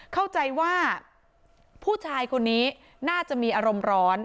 เข้าใจว่าผู้ชายคนนี้น่าจะมีอารมณ์ร้อน